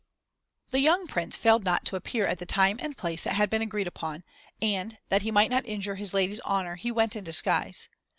The young Prince failed not to appear at the time and place that had been agreed upon, and, that he might not injure his lady's honour, he went in disguise.